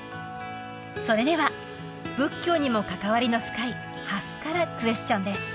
それでは仏教にも関わりの深い蓮からクエスチョンです